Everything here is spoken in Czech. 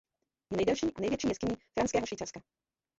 Je nejdelší a největší jeskyní Franského Švýcarska.